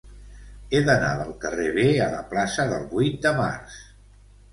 He d'anar del carrer B a la plaça del Vuit de Març.